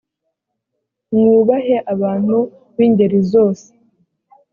mwubahe abantu b ingeri zose